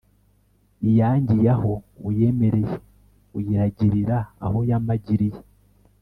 iyangiye aho uyemereye, uyiragirira aho yamagiriye